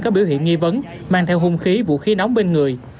có biểu hiện nghi vấn mang theo hung khí vũ khí nóng bên người